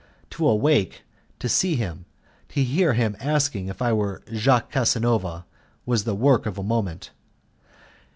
To awake, to see him, and to hear him asking if I were Jacques Casanova, was the work of a moment.